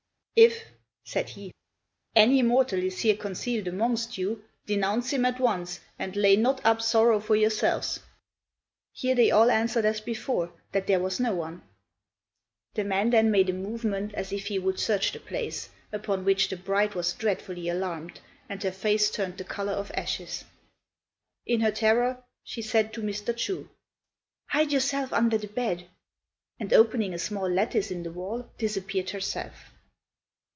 "If," said he, "any mortal is here concealed amongst you, denounce him at once, and lay not up sorrow for yourselves." Here they all answered as before that there was no one. The man then made a movement as if he would search the place, upon which the bride was dreadfully alarmed, and her face turned the colour of ashes. In her terror she said to Mr. Chu, "Hide yourself under the bed," and opening a small lattice in the wall, disappeared herself.